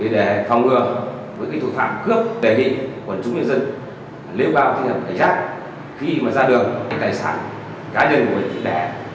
để phòng ngừa với thủ phạm cướp tệ hị quần chúng nhân dân